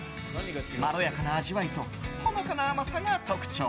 まろやかな味わいとほのかな甘さが特徴。